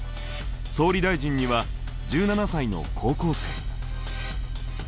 総理大臣には１７才の高校生。